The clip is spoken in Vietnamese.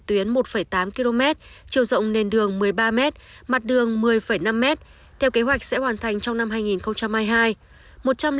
tuyến một tám km chiều rộng nền đường một mươi ba m mặt đường một mươi năm m theo kế hoạch sẽ hoàn thành trong năm hai nghìn hai mươi hai